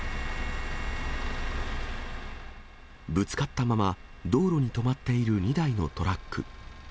ぶつかったまま、道路に止まっている２台のトラック。